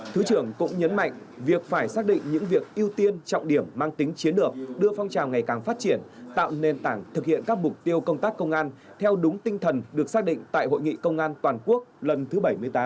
thứ trưởng cũng nhấn mạnh việc phải xác định những việc ưu tiên trọng điểm mang tính chiến lược đưa phong trào ngày càng phát triển tạo nền tảng thực hiện các mục tiêu công tác công an theo đúng tinh thần được xác định tại hội nghị công an toàn quốc lần thứ bảy mươi tám